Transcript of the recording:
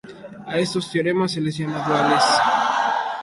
A estos teoremas se les llama "duales".